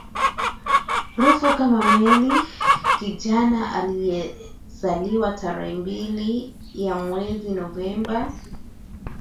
rufu kama meli kijana aliyezaliwa tarehe mbili ya mwezi novemba